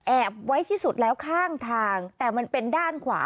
ไว้ที่สุดแล้วข้างทางแต่มันเป็นด้านขวา